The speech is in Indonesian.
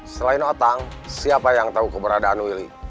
selain otang siapa yang tau keberadaan william